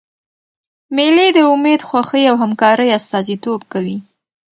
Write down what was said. مېلې د امېد، خوښۍ او همکارۍ استازیتوب کوي.